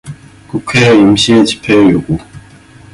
국회의 임시회 집회의 요구